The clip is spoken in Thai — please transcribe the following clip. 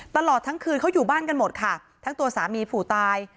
ตลอดทั้งคืนเขาอยู่บ้านกันหมดค่ะทั้งตัวสามีผู้ตาย